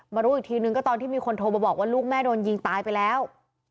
รู้อีกทีนึงก็ตอนที่มีคนโทรมาบอกว่าลูกแม่โดนยิงตายไปแล้ว